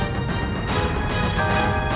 jangan lupa untuk berlangganan